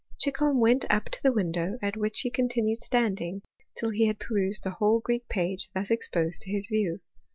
Chicholm went up to the window, at which he continued standing till he had perused the whole Greek page thus exposed to his view.